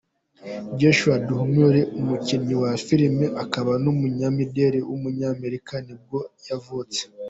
Josh Duhamel, umukinnyi wa filime akaba n’umunyamideli w’umunyamerika nibwo yavutse.